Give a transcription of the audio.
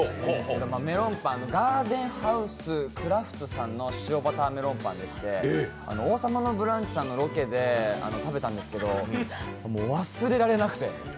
メロンパンＧＡＲＤＥＮＨＯＵＳＥＣＲＡＦＴＳさんのメロンパンでして「王様のブランチ」さんのロケで食べたんですけど忘れられなくて。